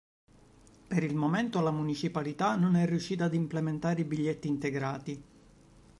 Per il momento la municipalità non è riuscita ad implementare i biglietti integrati.